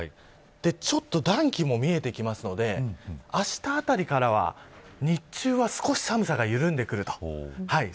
ちょっと暖気も見えてきますのであしたあたりからは日中は少し寒さが緩んできます。